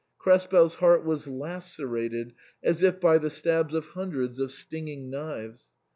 Krespel's heart was lacerated as if by the stabs of hundreds of stinging knives.